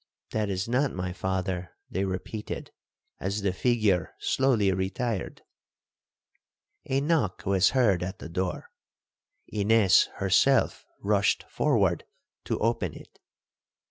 'That is not my father,' they repeated, as the figure slowly retired. A knock was heard at the door,—Ines herself rushed forward to open it.